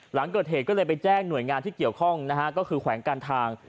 หลังเกิดเหตุก็เลยไปแจ้งหน่วยงานที่เกี่ยวข้องนะฮะก็คือแขวงการทาง